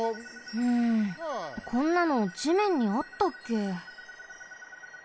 うんこんなの地面にあったっけ？